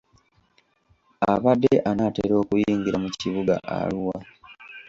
Abadde anaatera okuyingira mu kibuga Arua.